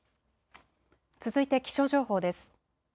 続いて気象情報です。